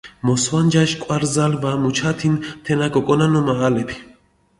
მოსვანჯაშ კვარზალი ვა მუჩათინ თენა გოკონანო მაჸალეფი.